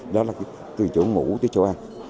đó là từ chỗ ngủ tới chỗ ăn